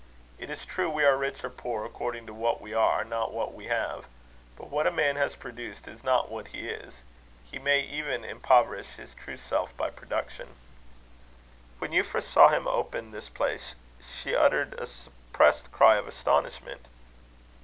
It is true, we are rich or poor according to what we are, not what we have. But what a man has produced, is not what he is. He may even impoverish his true self by production. When Euphra saw him open this place, she uttered a suppressed cry of astonishment.